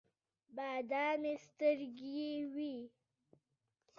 بادامي سترګې یې وې.